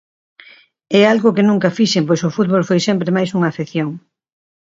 É algo que nunca fixen pois o fútbol foi sempre máis unha afección.